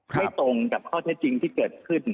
ไม่ตรงกับข้อเท็จจริงที่เกิดขึ้น